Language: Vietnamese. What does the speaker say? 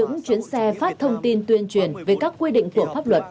những chuyến xe phát thông tin tuyên truyền về các quy định của pháp luật